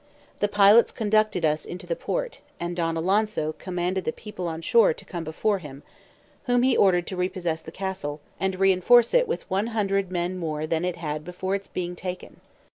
The pilots conducted us into the port, and Don Alonso commanded the people on shore to come before him, whom he ordered to repossess the castle, and reinforce it with one hundred men more than it had before its being taken.